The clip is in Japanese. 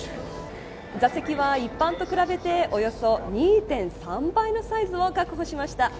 座席は一般と比べておよそ２．３倍のサイズを確保しました。